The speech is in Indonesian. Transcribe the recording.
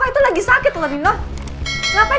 aku harus berhati hati dengan papa aku